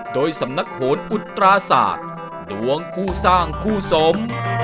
โดยสำนักโหนอุตราศาสตร์ดวงคู่สร้างคู่สม